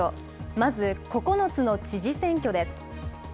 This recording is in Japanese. まず９つの知事選挙です。